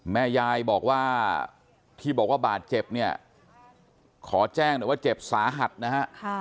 แม่ยายบอกว่าที่บอกว่าบาดเจ็บเนี่ยขอแจ้งหน่อยว่าเจ็บสาหัสนะฮะ